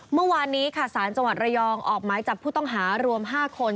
เมื่อวานนี้ค่ะสารจังหวัดระยองออกหมายจับผู้ต้องหารวม๕คน